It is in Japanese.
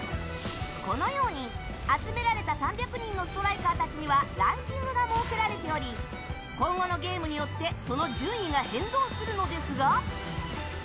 このように、集められた３００人のストライカーたちにはランキングが設けられており今後のゲームによってその順位が変動するのですが。